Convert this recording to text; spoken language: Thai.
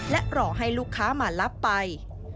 และรอให้ลูกค้ามารับไป